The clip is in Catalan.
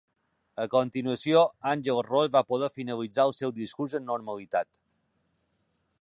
A continuació Àngel Ros va poder finalitzar el seu discurs amb normalitat.